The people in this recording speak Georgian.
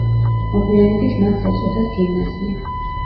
მოგვიანებით მათ ეწოდათ გიმნაზია.